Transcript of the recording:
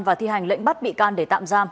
và thi hành lệnh bắt bị can để tạm giam